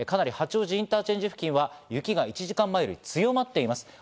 八王子インターチェンジ付近は雪が１時間前より強まっています。